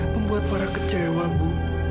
membuat farah kecewa bu